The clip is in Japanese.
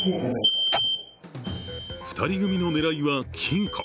２人組の狙いは金庫。